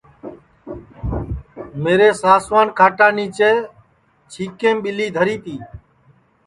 تو میرے ساسوان کھاٹا نیچے چھیکیم ٻیلی دھری تی